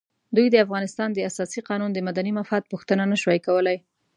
دوی د افغانستان د اساسي قانون د مدني مفاد پوښتنه نه شوای کولای.